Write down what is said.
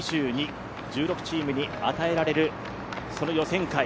１６チームに与えられる予選会。